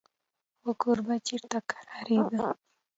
خو کوربه چېرته کرارېده.